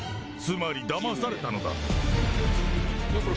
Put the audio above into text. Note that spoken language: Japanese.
つまりだまされたのだ。